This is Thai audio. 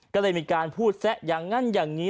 ก็เลยมีการพูดแซะอย่างนั้นอย่างนี้